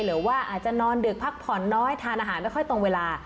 หรือว่าอาจจะนอนดึกพักผ่อนน้อยทานอาหารไม่ค่อยตรงเวลา